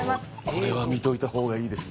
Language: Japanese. これは見といた方がいいです。